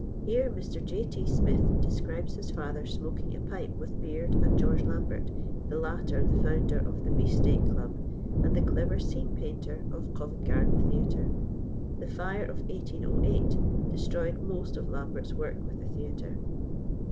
Here Mr. J. T. Smith describes his father smoking a pipe with Beard and George Lambert, the latter the founder of the Beef steak Club and the clever scene painter of Covent Garden Theatre. The fire of 1808 destroyed most of Lambert's work with the theatre.